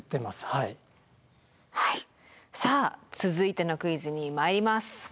はいさあ続いてのクイズにまいります。